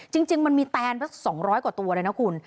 จริงมันมีแตนเมื่อสองร้อยกว่าตัวเลยนะคุณ